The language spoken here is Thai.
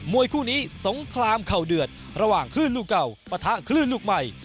วยคู่นี้สงครามเข่าเดือดระหว่างคลื่นลูกเก่าปะทะคลื่นลูกใหม่